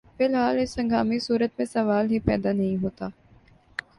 ی الحال اس ہنگامی صورتحال میں سوال ہی پیدا نہیں ہوتا